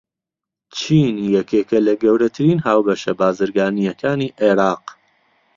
چین یەکێکە لە گەورەترین هاوبەشە بازرگانییەکانی عێراق.